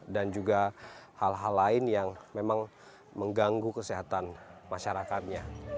dan juga hal hal lain yang memang mengganggu kesehatan masyarakatnya